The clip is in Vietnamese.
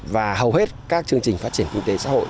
và hầu hết các chương trình phát triển kinh tế xã hội